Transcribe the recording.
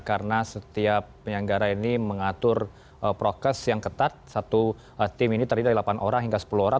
karena setiap penyanggara ini mengatur prokes yang ketat satu tim ini terdiri dari delapan orang hingga sepuluh orang